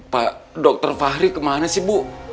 pak dr fahri kemana sih bu